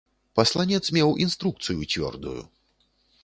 Пасланец меў інструкцыю цвёрдую.